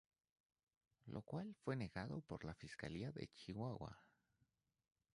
Lo cual fue negado por la fiscalía de Chihuahua.